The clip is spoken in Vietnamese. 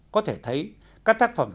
có thể thấy các tác phẩm